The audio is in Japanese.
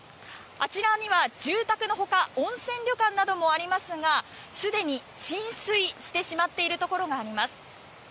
あちらには住宅のほか温泉旅館などもありますがすでに浸水してしまっているところがあります。